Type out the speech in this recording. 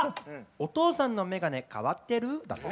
お父さんのメガネ変わってる？だって。